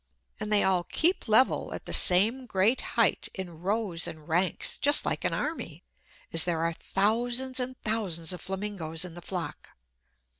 And they all keep level at the same great height, in rows and ranks, just like an army, as there are thousands and thousands of flamingos in the flock.